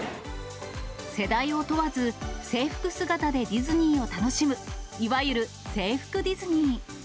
世代を問わず、制服姿でディズニーを楽しむ、いわゆる制服ディズニー。